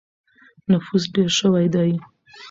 نفوس ډېر شوی دی.